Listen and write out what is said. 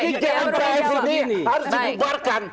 ini gnps ini harus dibubarkan